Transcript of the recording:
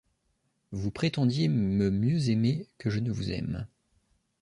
Vous prétendiez me mieux aimer que je ne vous aime.